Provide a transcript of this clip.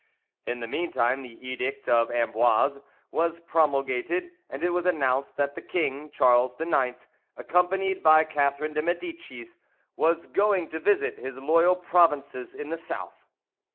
In the meantime the Edict of Amboise, was promulgated, and it was announced that the king, Charles IX, accompanied by Catherine de Medicis, was going to visit his loyal provinces in the South.